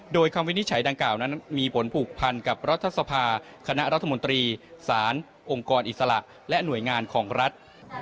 โดยคำวินิจฉัยดังกล่าวนั้นมีผลผูกพันกับรัฐสภาคณะรัฐมนตรีสารองค์กรอิสระและหน่วยงานของรัฐ